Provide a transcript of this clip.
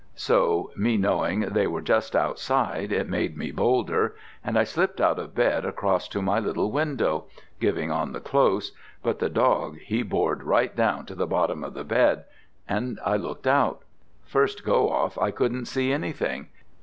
"So, me knowing they were just outside, it made me bolder, and I slipped out of bed across to my little window giving on the Close but the dog he bored right down to the bottom of the bed and I looked out. First go off I couldn't see anything.